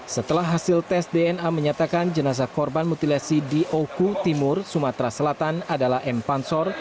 setelah hasil tes dna menyatakan jenazah korban mutilasi di oku timur sumatera selatan adalah m pansor